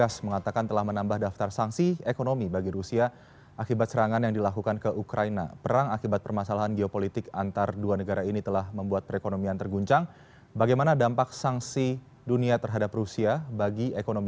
selamat pagi aldi kabar baik